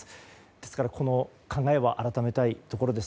ですから、この考えは改めたいところです。